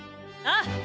ああ！